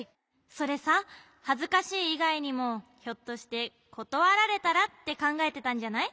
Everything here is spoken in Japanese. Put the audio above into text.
それさはずかしいいがいにもひょっとして「ことわられたら」ってかんがえてたんじゃない？